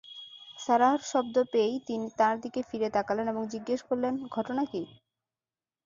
সারাহর শব্দ পেয়েই তিনি তাঁর দিকে ফিরে তাকালেন এবং জিজ্ঞেস করলেন, ঘটনা কি?